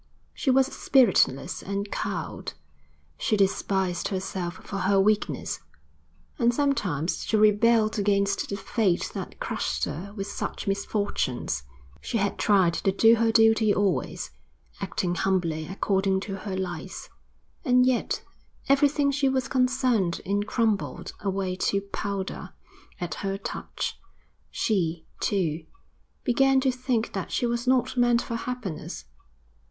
She was spiritless and cowed. She despised herself for her weakness. And sometimes she rebelled against the fate that crushed her with such misfortunes; she had tried to do her duty always, acting humbly according to her lights, and yet everything she was concerned in crumbled away to powder at her touch. She, too, began to think that she was not meant for happiness.